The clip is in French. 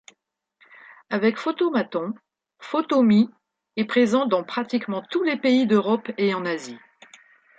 Avec photomatons, Photo-Me est présent dans pratiquement tous les pays d'Europe et en Asie.